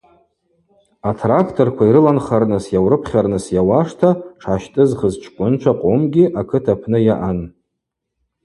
Атракторква йрыланхарныс йаурыпхьарныс йауашта тшгӏащтӏызхыз чкӏвынчва къомкӏгьи акыт апны йаъан.